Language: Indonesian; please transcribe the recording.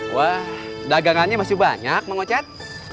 wah dagangannya masih banyak mang ocet